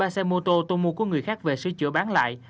ba xe mô tô tôi mua của người khác về sửa chữa bán lại